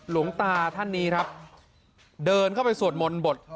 หลวงตาท่านนี้ครับเดินเข้าไปสวดมนต์บท